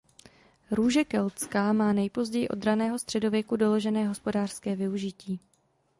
Růže keltská má nejpozději od raného středověku doložené hospodářské využití.